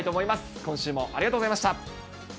今週もありがとうございました。